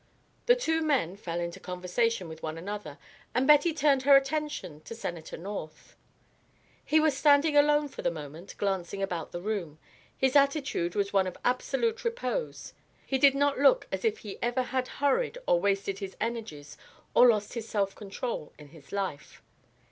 The two men fell into conversation with one another, and Betty turned her attention to Senator North. He was standing alone for the moment, glancing about the room. His attitude was one of absolute repose; he did not look as if he ever had hurried or wasted his energies or lost his self control in his life.